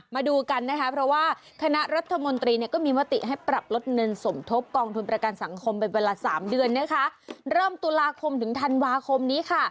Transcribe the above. มาดูกันนะคะเพราะว่าคณะรัฐมนตรีเนี่ยก็มีมติให้ปรับลดเงินสมทบกองทุนประกันสังคมเป็นเวลาสามเดือนนะคะเริ่มตุลาคมถึงธันวาคมนี้ค่ะ